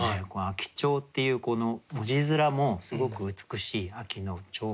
「秋蝶」っていうこの文字面もすごく美しい秋の蝶。